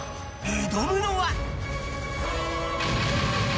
挑むのは。